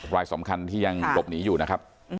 รายสำคัญที่ยังหลบหนีอยู่นะครับ